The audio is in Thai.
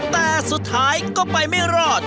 แต่สุดท้ายก็ไปไม่รอด